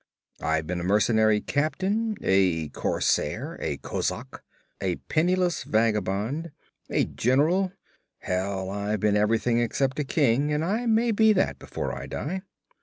I've been a mercenary captain, a corsair, a kozak, a penniless vagabond, a general hell, I've been everything except a king, and I may be that, before I die.'